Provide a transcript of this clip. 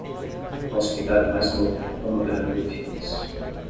Posso pegar o mais novo cronograma de filmes